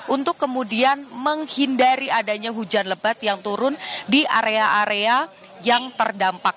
untuk kemudian menghindari adanya hujan lebat yang turun di area area yang terdampak